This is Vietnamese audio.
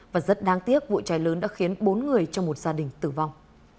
và rất đáng tiếc vụ cháy lớn đã khiến bốn người trong một gia đình tử vong